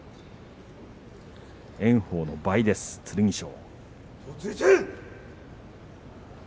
炎鵬の倍です剣翔。